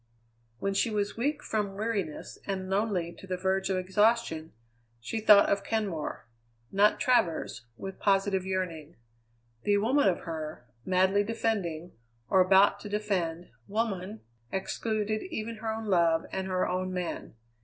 When she was weak from weariness and lonely to the verge of exhaustion, she thought of Kenmore not Travers with positive yearning. The woman of her, madly defending, or about to defend, woman, excluded even her own love and her own man.